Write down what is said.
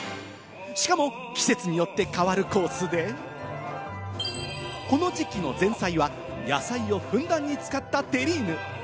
しかも季節によって変わるコースで、この時期の前菜は、野菜をふんだんに使ったテリーヌ。